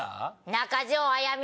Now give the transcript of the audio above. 中条あやみ。